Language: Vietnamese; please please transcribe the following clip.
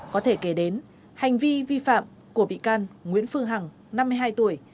có thể kể đến hành vi vi phạm của bị can nguyễn phương hằng năm mươi hai tuổi